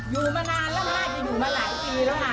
อยู่มานานแล้วน่าจะอยู่มาหลายปีแล้วค่ะ